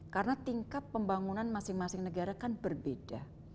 karena tingkat pembangunan masing masing negara kan berbeda